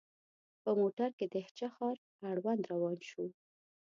په موټر کې د هه چه ښار اړوند روان شوو.